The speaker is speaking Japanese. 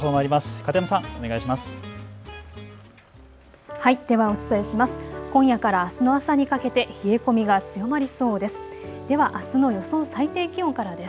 片山さん、お願いします。